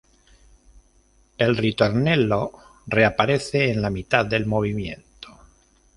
El "ritornello" reaparece en la mitad del movimiento.